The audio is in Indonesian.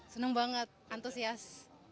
senang banget antusias